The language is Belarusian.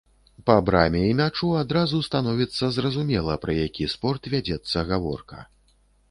Па браме і мячу адразу становіцца зразумела, пра які спорт вядзецца гаворка.